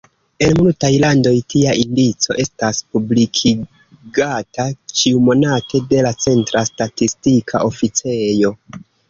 En multaj landoj, tia indico estas publikigata ĉiumonate de la centra statistika oficejo.